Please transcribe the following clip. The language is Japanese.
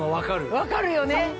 分かるよね。